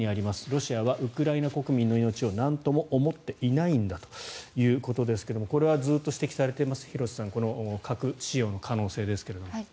ロシアはウクライナ国民の命をなんとも思っていないんだということですがこれはずっと指摘されています廣瀬さん、核兵器使用の可能性ですが。